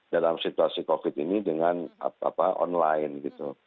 dalam situasi covid ini dengan online gitu